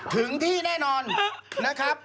ถึงที่แน่นอนนะครับ